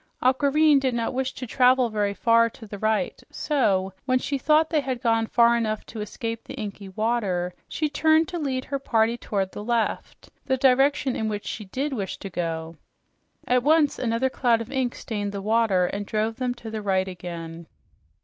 Aquareine did not wish to travel very far to the right, so when she thought they had gone far enough to escape the inky water, she turned to lead her party toward the left the direction in which she DID wish to go. At once another cloud of ink stained the water and drove them to the right again.